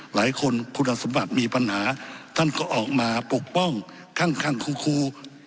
หลายคนคุณสมบัติมีปัญหาท่านก็ออกมาปกป้องคั่งคู